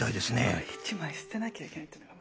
これ１枚捨てなきゃいけないっていうのが。